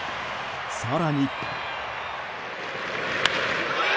更に。